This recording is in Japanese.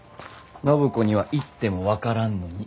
暢子には言っても分からんのに。